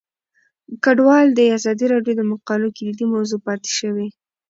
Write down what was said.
کډوال د ازادي راډیو د مقالو کلیدي موضوع پاتې شوی.